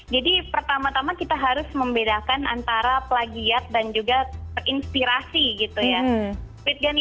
jadi pertama tama kita harus membedakan antara plagiat dan juga terinspirasi gitu ya